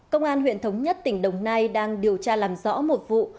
công an huyện thống nhất tỉnh đồng nai đang điều tra làm rõ một vụ